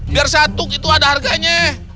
biar saya atuk itu ada harganya